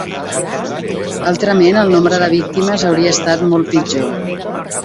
Altrament, el nombre de víctimes hauria estat molt pitjor.